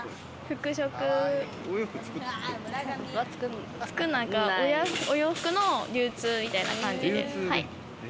服飾、お洋服の流通みたいな感じで。